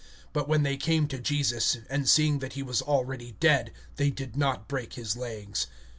(33)But when they came to Jesus, and saw that he was already dead, they broke not his legs.